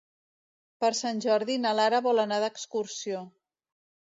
Per Sant Jordi na Lara vol anar d'excursió.